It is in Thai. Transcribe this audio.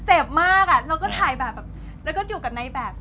เจ็บมากอ่ะเราก็ถ่ายแบบแบบแล้วก็อยู่กับในแบบ